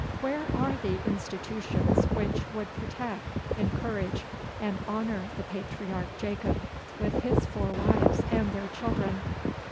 Where are the institutions which would protect, encourage, and honour the patriarch Jacob, with his four wives and their children?